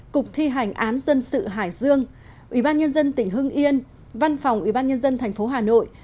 cục thi hành án dân sự hải dương ủy ban nhân dân tỉnh hưng yên văn phòng ủy ban nhân dân tp hà nội